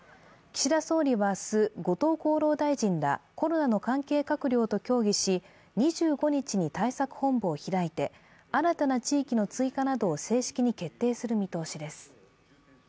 岸田総理は明日、後藤厚労大臣らコロナの関係閣僚と協議し、２５日に対策本部を開いて新たな地域の追加などを正式に決定する見通しです。